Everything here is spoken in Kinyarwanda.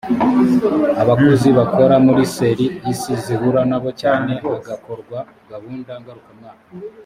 abakozi bakora muri ser isi zihura nabo cyane hagakorwa gahunda ngarukamwaka